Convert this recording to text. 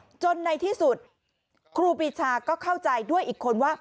จนในที่สุดครูปีชาก็เข้าใจด้วยอีกคนว่า